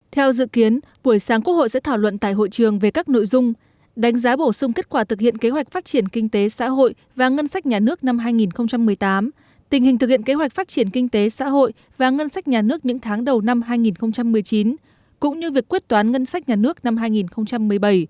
theo dự kiến buổi sáng quốc hội sẽ thảo luận tại hội trường về các nội dung đánh giá bổ sung kết quả thực hiện kế hoạch phát triển kinh tế xã hội và ngân sách nhà nước năm hai nghìn một mươi tám tình hình thực hiện kế hoạch phát triển kinh tế xã hội và ngân sách nhà nước những tháng đầu năm hai nghìn một mươi chín cũng như việc quyết toán ngân sách nhà nước năm hai nghìn một mươi bảy